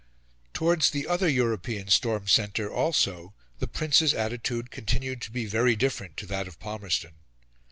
Towards the other European storm centre, also, the Prince's attitude continued to be very different to that of Palmerston.